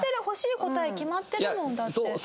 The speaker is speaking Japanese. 欲しい答え決まってるもんだって。